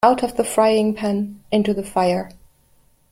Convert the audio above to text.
Out of the frying-pan into the fire.